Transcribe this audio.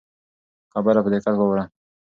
خبره په دقت واوره.